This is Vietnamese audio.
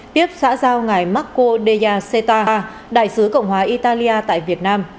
tiếp xã giao ngài marco dea seta đại sứ cộng hòa italia tại việt nam